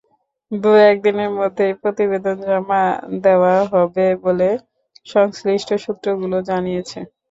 দু-এক দিনের মধ্যেই প্রতিবেদন জমা দেওয়া হবে বলে সংশ্লিষ্ট সূত্রগুলো জানিয়েছে।